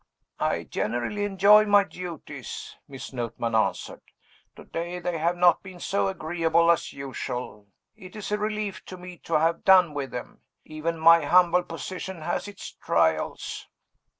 "I generally enjoy my duties," Miss Notman answered. "To day, they have not been so agreeable as usual; it is a relief to me to have done with them. Even my humble position has its trials."